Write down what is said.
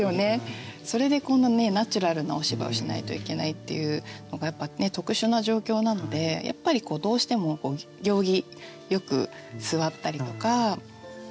それでこんなナチュラルなお芝居をしないといけないっていうのがやっぱ特殊な状況なのでやっぱりどうしてもお行儀よく座ったりとかなりがちなんですよね。